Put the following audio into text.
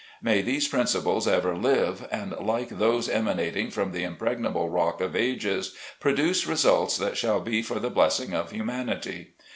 May these principles ever live, and like those emanating from the impreg nable Rock of Ages, produce results that shall be for the blessing of humanity.